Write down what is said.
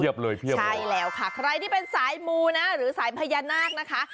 เพียบเลยใช่แล้วค่ะใครที่เป็นสายมูนะหรือสายพญานาคนะคะ